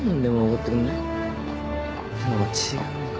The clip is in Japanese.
てのも違うのか。